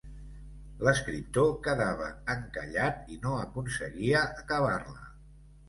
L'escriptor quedava encallat i no aconseguia acabar-la.